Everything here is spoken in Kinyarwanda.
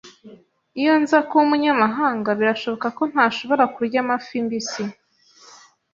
Iyo nza kuba umunyamahanga, birashoboka ko ntashobora kurya amafi mbisi.